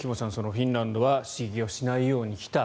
フィンランドは刺激をしないようにしてきた。